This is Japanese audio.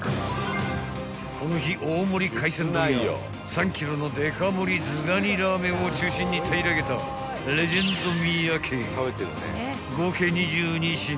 ［この日大盛り海鮮丼や３ｋｇのデカ盛りズガニラーメンを中心に平らげたレジェンド三宅］